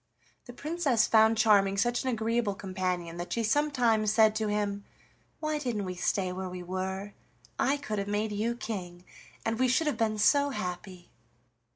The Princess found Charming such an agreeable companion that she sometimes said to him: "Why didn't we stay where we were? I could have made you king, and we should have been so happy!"